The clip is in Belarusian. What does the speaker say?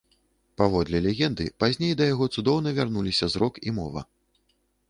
Паводле легенды, пазней да яго цудоўна вярнуліся зрок і мова.